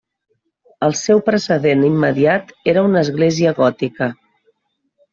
El seu precedent immediat era una església gòtica.